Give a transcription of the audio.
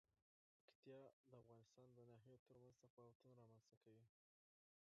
پکتیا د افغانستان د ناحیو ترمنځ تفاوتونه رامنځ ته کوي.